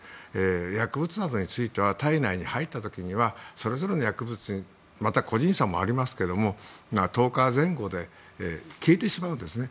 薬物などについては体内に入った時にはそれぞれの薬物に個人差もありますけども１０日前後で消えてしまうんですね。